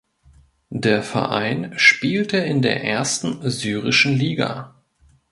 Der Verein spielte in der ersten syrischen Liga.